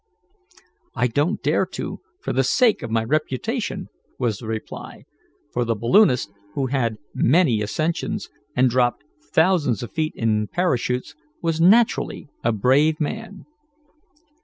"I don't dare to, for the sake of my reputation," was the reply, for the balloonist who had made many ascensions, and dropped thousands of feet in parachutes, was naturally a brave man.